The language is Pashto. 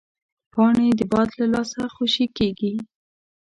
پاڼې د باد له لاسه خوشې کېږي